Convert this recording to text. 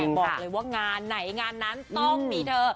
บอกเลยว่างานไหนงานนั้นต้องมีเธอ